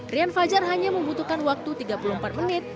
rian fajar hanya membutuhkan waktu tiga puluh empat menit